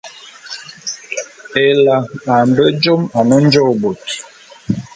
Ela a mbe jôm ane njôô bôt.